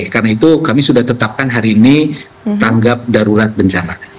karena itu kami sudah tetapkan hari ini tanggap darurat bencana